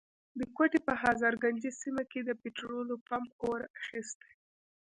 د کوټي په هزارګنجۍ سيمه کي د پټرولو پمپ اور اخستی.